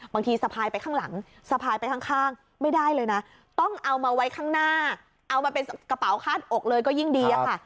สะพายไปข้างหลังสะพายไปข้างไม่ได้เลยนะต้องเอามาไว้ข้างหน้าเอามาเป็นกระเป๋าคาดอกเลยก็ยิ่งดีอะค่ะ